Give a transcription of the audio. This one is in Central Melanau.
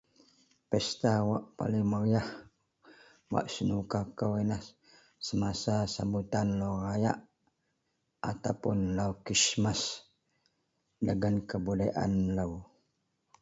Pesta wak paling meriyah wak senuka kou iyenlah semasa sambutan lau rayak ataupuon lau krismas dagen kebudayaan melo.